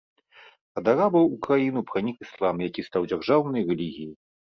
Ад арабаў у краіну пранік іслам, які стаў дзяржаўнай рэлігіяй.